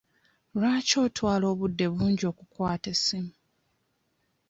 Lwaki otwala obudde bungi okukwata essimu?